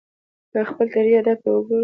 که خپل تحريري ادب ته وګورو